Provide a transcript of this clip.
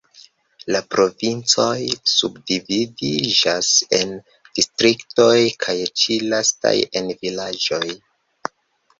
La provincoj subdividiĝas en distriktoj kaj ĉi lastaj en vilaĝoj.